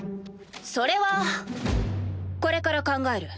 それはこれから考える。